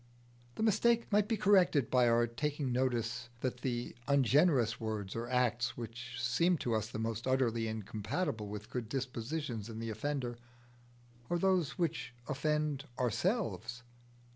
The mistake might be corrected by our taking notice that the ungenerous words or acts which seem to us the most utterly incompatible with good dispositions in the offender, are those which offend ourselves.